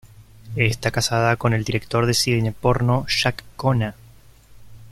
Esta casada con el director de cine porno Jack Kona.